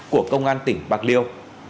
của công an tỉnh bạc liêu